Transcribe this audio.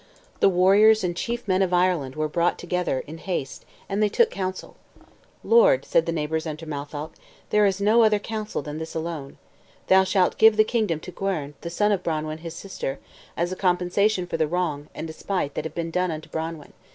The warriors and chief men of Ireland were brought together in haste, and they took counsel. "Lord," said the neighbors unto Matholch, "there is no other counsel than this alone. Thou shalt give the kingdom to Gwern, the son of Branwen his sister, as a compensation for the wrong and despite that have been done unto Branwen.